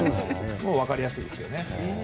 分かりやすいですけどね。